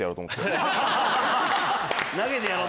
「投げてやろう」。